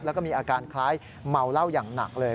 แล้วก็มีอาการคล้ายเมาเหล้าอย่างหนักเลย